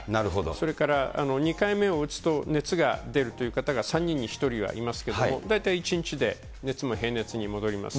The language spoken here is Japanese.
それから２回目を打つと、熱が出るという方が３人に１人はいますけど、大体１日で熱も平熱に戻ります。